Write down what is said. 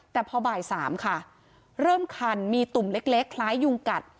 แต่พอบ่าย๓ค่ะเริ่มคันมีตุ่มเล็กคล้ายยุงกัด